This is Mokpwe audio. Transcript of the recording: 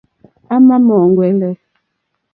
À mà mù úŋmɛ́lɛ́.